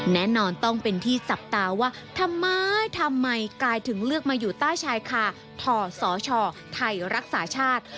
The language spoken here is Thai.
แน่นอนต้องเป็นที่จับตาว่าทำไมทำไมกายถึงเลือกมาอยู่ใต้ชายคาทอสชไทยรักษาชาติ